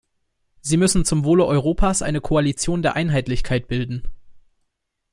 Sie müssen zum Wohle Europas eine Koalition der Einheitlichkeit bilden.